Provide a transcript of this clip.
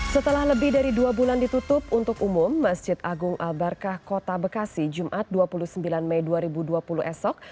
setelah lebih dari dua bulan ditutup untuk umum masjid agung al barkah kota bekasi jumat dua puluh sembilan mei dua ribu dua puluh esok